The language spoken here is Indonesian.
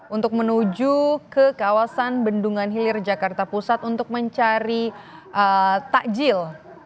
untuk menuju ke kawasan bendungan hilir jakarta pusat untuk mencari takjil